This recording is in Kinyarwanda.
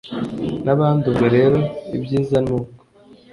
n abandi Ubwo rero ibyiza ni uko